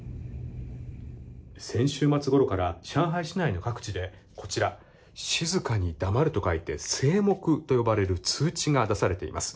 先週末ごろから上海市内各地で静かに黙ると書いて静黙と呼ばれる通知が出されています。